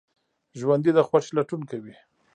ژوندي د خوښۍ لټون کوي